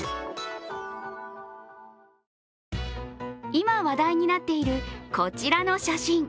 今、話題になっているこちらの写真。